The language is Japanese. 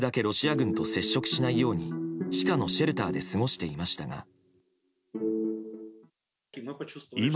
ロシア軍と接触しないように地下のシェルターで過ごしていましたが。